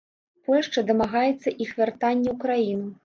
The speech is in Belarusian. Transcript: Польшча дамагаецца іх вяртання ў краіну.